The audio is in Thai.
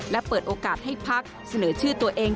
และเปิดโอกาสให้พักเสนอชื่อตัวเอง